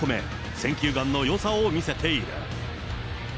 選球眼のよさを見せている。